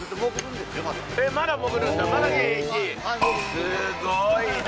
すごいな。